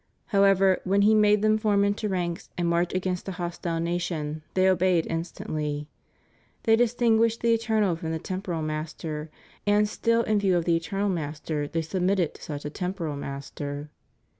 However, when he made them form into ranks and march against a hostile nation, they obeyed instantly. They distinguished the eternal from the temporal master and still in view of the eternal Master they submitted to such a temporal master."